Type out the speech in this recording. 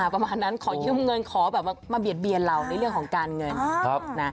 ประมาณนั้นขอยืมเงินขอแบบมาเบียดเบียนเราในเรื่องของการเงิน